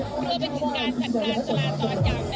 ขอบคุณครับ